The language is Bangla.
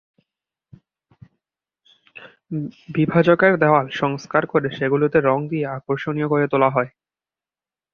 বিভাজকের দেয়াল সংস্কার করে সেগুলোতে রং দিয়ে আকর্ষণীয় করে তোলা হয়।